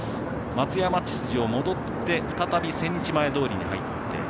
松屋町筋を戻って再び千日前通に入って。